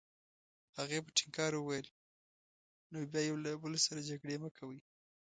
هغې په ټینګار وویل: نو بیا یو له بل سره جګړې مه کوئ.